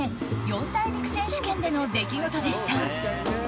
四大陸選手権での出来事でした。